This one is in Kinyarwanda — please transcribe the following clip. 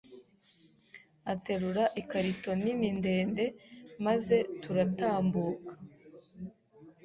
aterura ikarito nini ndende maze turatambuka